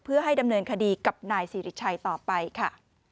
เพื่อให้ดำเนินคดีกับนายสิริชัยต่อไปค่ะ